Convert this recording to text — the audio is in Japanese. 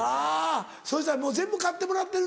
そしたらもう全部買ってもらってるんだ。